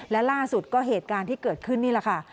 และล่าสุดก็เหตุการณ์ที่เกิดขึ้นนี่แหละค่ะ